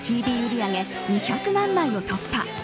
売り上げ２００万枚を突破。